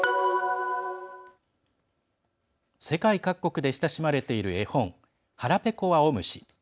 世界各国で親しまれている絵本「はらぺこあおむし」。